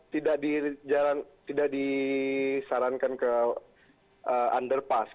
tidak disarankan ke underpass